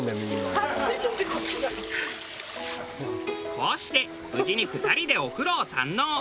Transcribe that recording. こうして無事に２人でお風呂を堪能。